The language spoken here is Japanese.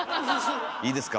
いいですか？